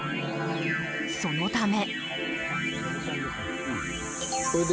そのため。